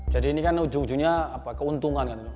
jadi ini kan ujung ujungnya keuntungan